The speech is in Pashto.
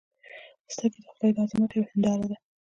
سترګې د خدای د عظمت یوه هنداره ده